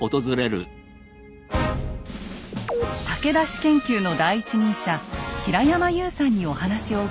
武田氏研究の第一人者平山優さんにお話を伺いました。